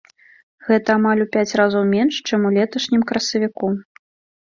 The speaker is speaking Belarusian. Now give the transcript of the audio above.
Гэта амаль у пяць разоў менш, чым у леташнім красавіку.